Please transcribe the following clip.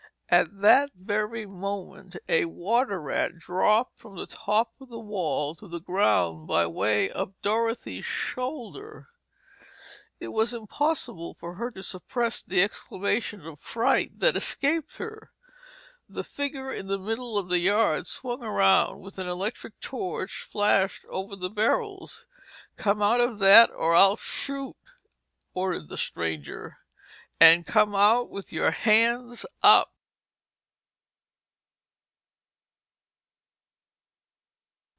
At that very moment, a water rat dropped from the top of the wall to the ground by way of Dorothy's shoulder. It was impossible for her to suppress the exclamation of fright that escaped her. The figure in the middle of the yard swung round and an electric torch flashed over the barrels. "Come out of that or I'll shoot!" ordered the stranger. "And come out with your hands up!"